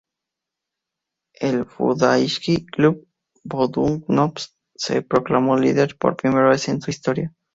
El Fudbalski Klub Budućnost se proclamó líder por primera vez en su historia.